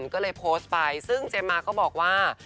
ก็เลยโพสต์ไปซึ่งเจมมาก็บอกว่า